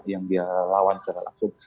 yang dia lawan secara langsung